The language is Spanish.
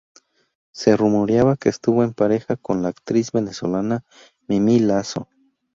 Se rumoreaba que estuvo en pareja con la actriz Venezolana Mimí Lazo.